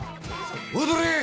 おどれ！